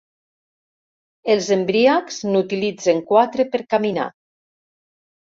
Els embriacs n'utilitzen quatre per caminar.